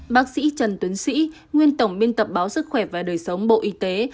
bác sĩ trần tiến sĩ nguyên tổng biên tập báo sức khỏe và đời sống bộ y tế